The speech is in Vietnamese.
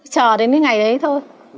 chờ đến cái ngày đấy thôi